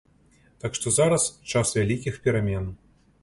Так што зараз час вялікіх перамен.